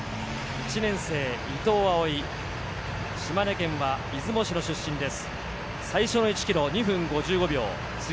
１年生・伊藤蒼唯、島根県は出雲市の出身です。